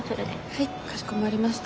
はいかしこまりました。